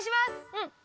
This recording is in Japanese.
うん。